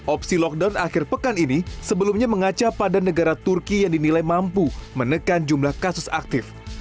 opsi lockdown akhir pekan ini sebelumnya mengaca pada negara turki yang dinilai mampu menekan jumlah kasus aktif